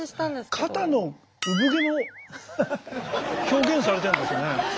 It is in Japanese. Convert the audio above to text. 肩のうぶ毛も表現されてるんですね。